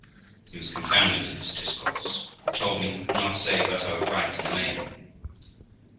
He was confounded at this discourse, and told me he could not say but I was right in the main.